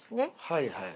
はいはい。